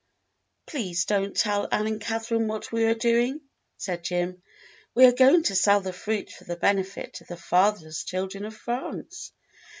"Please don't tell Ann and Catherine what we are doing," said Jim. "We are going to sell the fruit for the benefit of the Fatherless Children of France.